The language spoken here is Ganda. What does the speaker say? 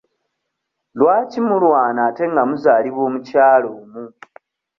Lwaki mulwana ate nga muzaalibwa omukyala omu?